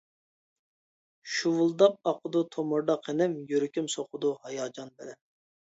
شۇۋۇلداپ ئاقىدۇ تومۇردا قېنىم، يۈرىكىم سوقىدۇ ھاياجان بىلەن.